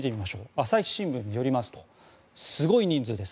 朝日新聞によりますとすごい人数です。